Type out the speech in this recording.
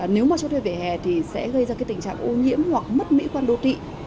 nếu mà cho thuê vỉa hè thì sẽ gây ra tình trạng ô nhiễm hoặc mất mỹ quan đô thị